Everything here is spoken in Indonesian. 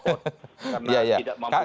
karena tidak mampu menangkap